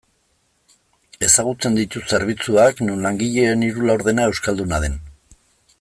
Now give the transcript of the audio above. Ezagutzen ditut zerbitzuak non langileen hiru laurdena euskalduna den.